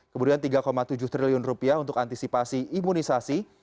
kemudian rp tiga tujuh triliun rupiah untuk antisipasi imunisasi